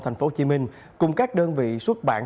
tp hcm cùng các đơn vị xuất bản